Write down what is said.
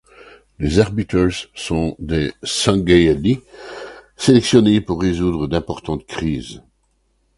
Les Arbiters sont des Sangheili sélectionnés pour résoudre d'importantes crises.